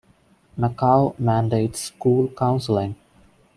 Macau mandates school counseling.